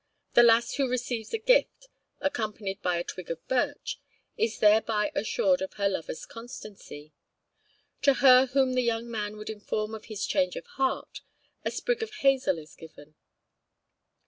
The lass who receives a gift accompanied by a twig of birch is thereby assured of her lover's constancy. To her whom the young man would inform of his change of heart, a sprig of hazel is given.